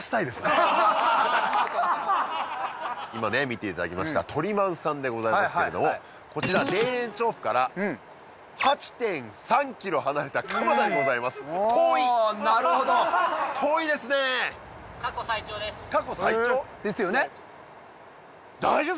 今ね見ていただきました鳥万さんでございますけれどもこちら田園調布から８．３ｋｍ離れた蒲田にございます遠いですね過去最長？ですよね？